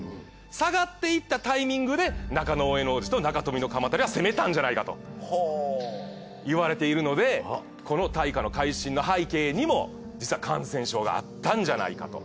下がっていったタイミングで中大兄皇子と中臣鎌足は攻めたんじゃないかと言われているのでこの大化の改新の背景にも実は感染症があったんじゃないかと。